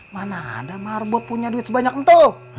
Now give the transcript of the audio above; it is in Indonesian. mana ada marbot punya duit sebanyak empat